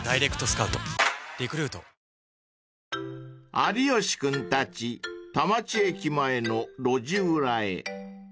［有吉君たち田町駅前の路地裏へ］